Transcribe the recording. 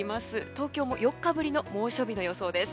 東京も４日ぶりの猛暑日の予想です。